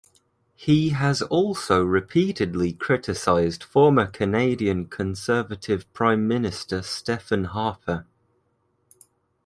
He has also repeatedly criticized former Canadian Conservative Prime Minister Stephen Harper.